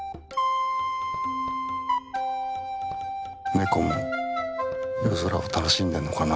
ネコも夜空を楽しんでるのかな？